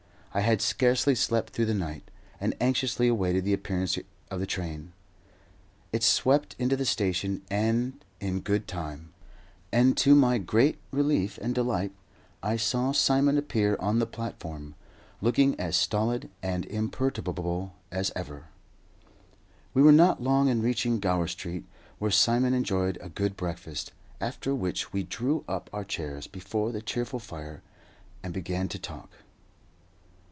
I had scarcely slept through the night, and anxiously awaited the appearance of the train. It swept into the station in good time, and, to my great relief and delight, I saw Simon appear on the platform, looking as stolid and imperturbable as ever. We were not long in reaching Gower Street, where Simon enjoyed a good breakfast, after which we drew up our chairs before the cheerful fire and began to talk.